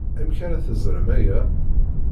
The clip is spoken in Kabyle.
Amek ara teẓrem aya?